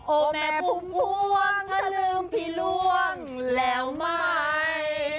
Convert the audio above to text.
โอแหมวุมพวงเธอลืมผิดล่วงแล้วไม่